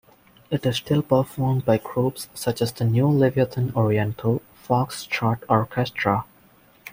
It is still performed by groups such as the New Leviathan Oriental Fox-Trot Orchestra.